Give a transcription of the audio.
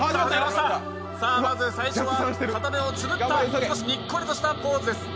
まず最初は片目をつぶった少しにっこりとしたポーズです。